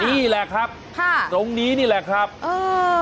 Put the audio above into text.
นี่แหละครับค่ะตรงนี้นี่แหละครับเออ